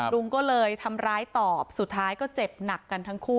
ลุงก็เลยทำร้ายตอบสุดท้ายก็เจ็บหนักกันทั้งคู่